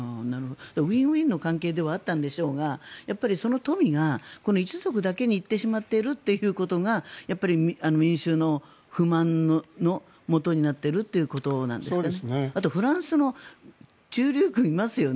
ウィンウィンの関係ではあったんでしょうが、その富がこの一族だけに行ってしまっているということが民衆の不満のもとになっているということなんですかね。